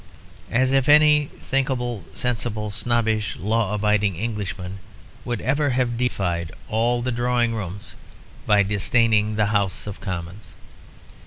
As if any thinkable sensible snobbish law abiding Englishman would ever have defied all the drawing rooms by disdaining the House of Commons!